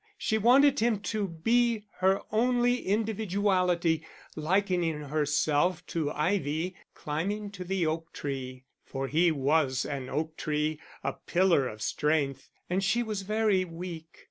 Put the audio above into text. She wanted him to be her only individuality, likening herself to ivy climbing to the oak tree; for he was an oak tree, a pillar of strength, and she was very weak.